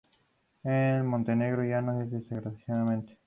En Montenegro ya no desgraciadamente.